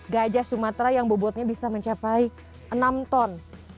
gajah sumatera yang bobotnya bisa mencapai enam ton